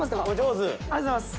ありがとうございます。